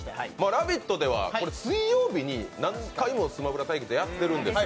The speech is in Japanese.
「ラヴィット！」では水曜日に何回も「スマブラ」対決やってるんです。